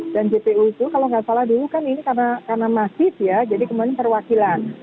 dan jpu itu kalau nggak salah dulu kan ini karena masjid ya jadi kemudian perwakilan